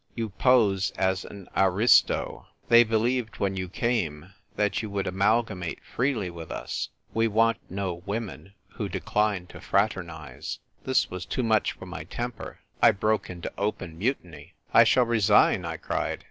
You pose as an aristo. They believed when you came that you would amalgamate freely with us. We want no women who decline to fraternise." This was too much for my temper. I broke into open mutiny. "I shall resign," I cried.